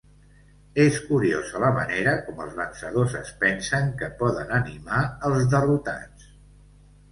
És curiosa la manera com els vencedors es pensen que poden animar els derrotats.